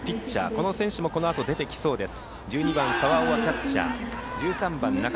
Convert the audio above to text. この選手もこのあと出てきそうです。